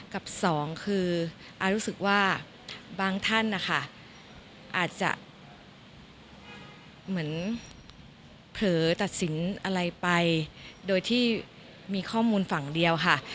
กับสองคืออารู้สึกว่าบางท่านนะคะอาจจะเหมือนเผลอตัดสินอะไรไปโดยที่มีข้อมูลฝั่งเดียวค่ะ